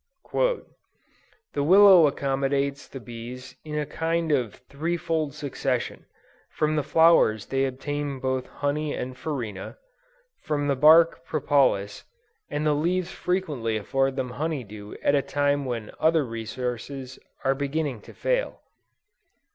_ "The willow accommodates the bees in a kind of threefold succession; from the flowers they obtain both honey and farina; from the bark propolis; and the leaves frequently afford them honey dew at a time when other resources are beginning to fail."